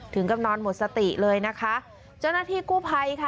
ถึงกำนอนหมดสติเลยนะคะที่กู้ไพค่ะ